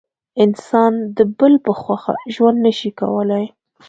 انسان د بل په خوښه ژوند نسي کولای.